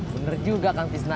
bener juga kang cisna